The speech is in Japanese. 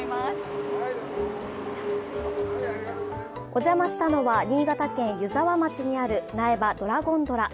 お邪魔したのは新潟県湯沢町にある苗場ドラゴンドラ。